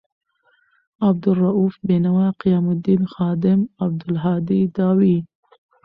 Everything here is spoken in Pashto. عبدا لروؤف بینوا، قیام الدین خادم، عبدالهادي داوي